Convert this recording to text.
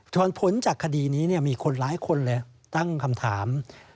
ผลจากคดีนี้มีคนหลายคนเลยตั้งคำถาม